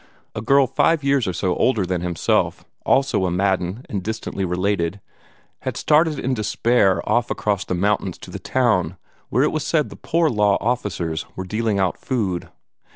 A girl five years or so older than himself, also a Madden and distantly related, had started in despair off across the mountains to the town where it was said the poor law officers were dealing out food.